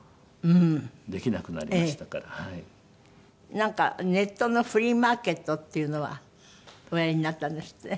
なんかネットのフリーマーケットっていうのはおやりになったんですって？